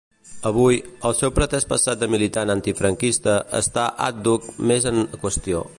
Avui, el seu pretès passat de militant antifranquista està àdhuc més en qüestió.